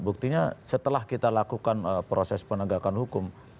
buktinya setelah kita lakukan proses penegakan hukum